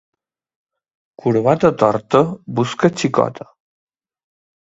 Corbata torta, busca xicota.